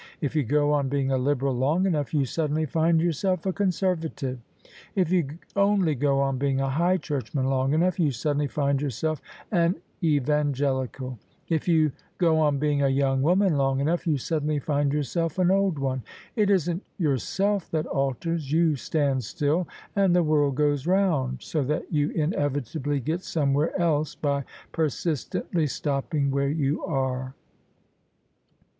If you go on being a Liberal long enough, you suddenly find yourself a Conservative: if you only go on being a High Churchman long enough, you sud denly find yourself an Evangelical: if you go on being a young woman long enough, you suddenly find yourself an old one. It isn't yourself that alters: you stand still and the world goes round : so that you inevitably get somewhere else by persistently stopping where you are."